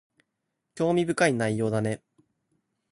興味深い内容だね